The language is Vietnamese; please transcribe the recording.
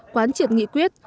quán triệt nghị quyết